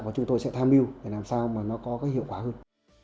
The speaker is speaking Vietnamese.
và chúng tôi sẽ tham mưu để làm sao mà nó có cái hiệu quả hơn